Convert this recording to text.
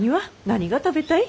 何が食べたい？